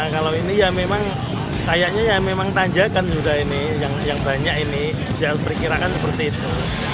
kalau ini ya memang kayaknya tanjakan juga ini yang banyak ini jangan berkirakan seperti itu